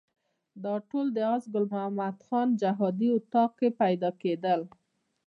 دا ټول د آس ګل محمد خان په جهادي اطاق کې پیدا کېدل.